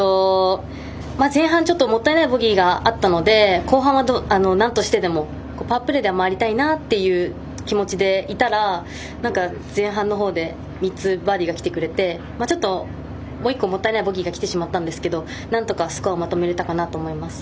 前半、ちょっともったいないボギーがあったので後半はなんとしてでもパープレーでは回りたいなという気持ちでいたら前半の方で３つバーディーが来てくれてちょっともう１個もったいないボギーが来てしまったんですけどなんとかスコアをまとめられたかなと思います。